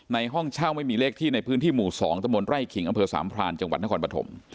ห้องเช่าไม่มีเลขที่ในพื้นที่หมู่๒ตะบนไร่ขิงอำเภอสามพรานจังหวัดนครปฐม